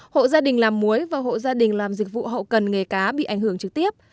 hộ gia đình làm muối và hộ gia đình làm dịch vụ hậu cần nghề cá bị ảnh hưởng trực tiếp